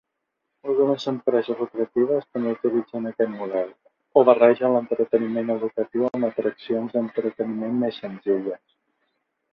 Algunes empreses lucratives també utilitzen aquest model, o barregen l'entreteniment educatiu amb atraccions d'entreteniment més senzilles.